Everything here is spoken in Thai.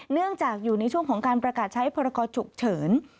เนื่องจากอยู่ในช่วงของการประกาศใช้พรกรฉุกเฉิน